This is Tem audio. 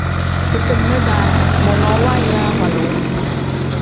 Fefelima-daa monoo waaya baaloo.